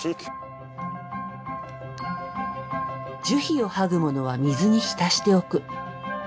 樹皮を剥ぐものは水に浸しておく。